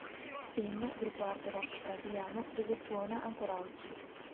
Sin, gruppo hard rock Brasiliano, dove suona ancora oggi.